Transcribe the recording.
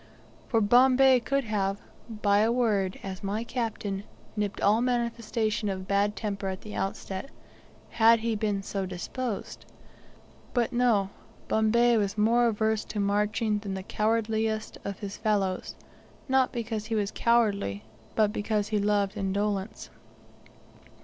For Bombay could have by a word, as my captain, nipped all manifestation of bad temper at the outset, had he been so disposed. But no, Bombay was more averse to marching than the cowardliest of his fellows, not because he was cowardly, but because he loved indolence.